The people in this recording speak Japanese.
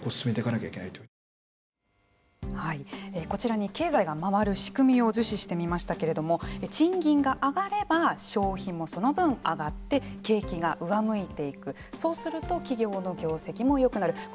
こちらに経済が回る仕組みを図示してみましたけれども賃金が上がれば消費もその分上がって景気が上向いていくそうすると企業の業績もよくなる。